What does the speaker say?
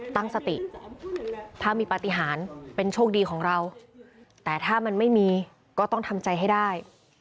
ตั้งสติถ้ามีปฏิหารเป็นโชคดีของเราแต่ถ้ามันไม่มีก็ต้องทำใจให้ได้